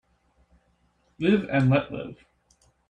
Live and let live.